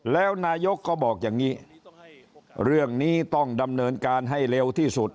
แล้วนายกก็บอกอย่างนี้เรื่องนี้ต้องดำเนินการให้เร็วที่สุด